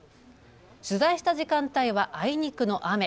取材した時間帯はあいにくの雨。